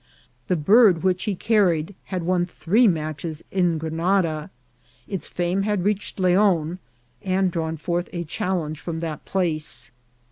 The bird which he carried had won three matches in Grenada ; its fame had reached Leon, and drawn forth a challenge from that place.